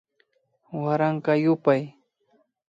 Waranka yupay